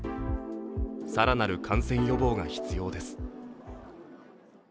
更なる感染予防が必要です。